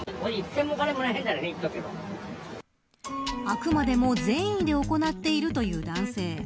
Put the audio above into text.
あくまでも善意で行っているという男性。